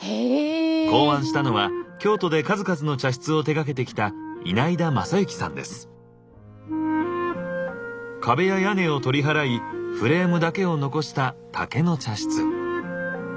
考案したのは京都で数々の茶室を手がけてきた壁や屋根を取り払いフレームだけを残した竹の茶室。